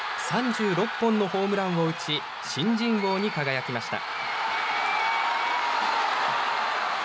３６本のホームランを打ち新人王に輝きました。